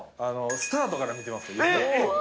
スタートから見てますね。